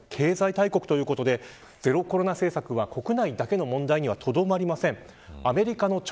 ただ、中国は経済大国ということでゼロ・コロナ政策は国内だけの問題にとどまりません。